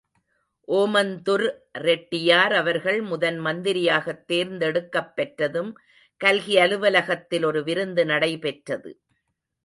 ஓமந்துர் ரெட்டியார் அவர்கள் முதன் மந்திரியாகத் தேர்ந்தெடுக்கப் பெற்றதும் கல்கி அலுவலகத்தில் ஒரு விருந்து நடைபெற்றது.